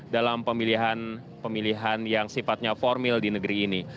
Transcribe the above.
dan pemilihan yang sifatnya formil di negeri ini